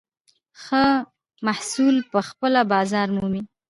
ښه محصول پخپله بازار مومي.